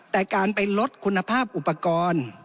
แต่การไปลดคุณภาพอุปกรณ์